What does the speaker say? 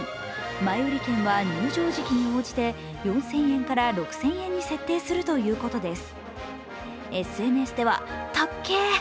前売り券は入場時期に応じて４０００円から６０００円に設定するということです。